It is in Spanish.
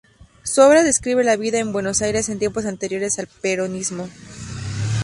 Su obra describe la vida en Buenos Aires en tiempos anteriores al peronismo.